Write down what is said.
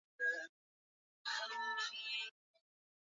wana mipango kabambe ya kuhakikisha uhusiano wa kibiashara